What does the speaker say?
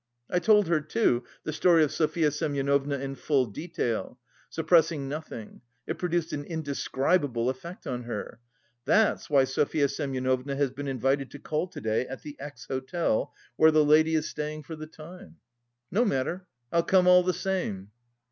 I told her too the story of Sofya Semyonovna in full detail, suppressing nothing. It produced an indescribable effect on her. That's why Sofya Semyonovna has been invited to call to day at the X. Hotel where the lady is staying for the time." "No matter, I'll come all the same."